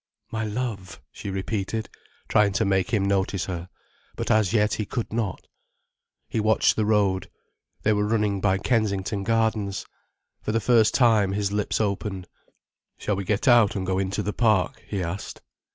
"My love," she repeated, trying to make him notice her. But as yet he could not. He watched the road. They were running by Kensington Gardens. For the first time his lips opened. "Shall we get out and go into the park," he asked.